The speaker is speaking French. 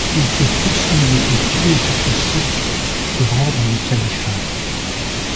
Ils furent poursuivis et tués sur ce site sur ordre du califat.